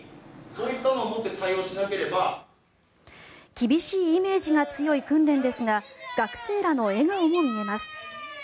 厳しいイメージが強い訓練ですが学生らの笑顔も見えます。